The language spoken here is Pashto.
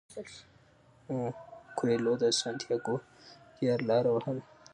کویلیو د سانتیاګو زیارلاره ووهله.